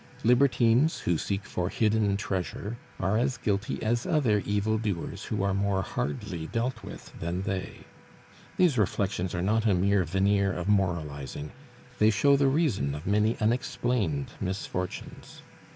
Libertines, who seek for hidden treasure, are as guilty as other evil doers who are more hardly dealt with than they. These reflections are not a mere veneer of moralizing; they show the reason of many unexplained misfortunes.